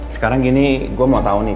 sekarang gini gue mau tau nih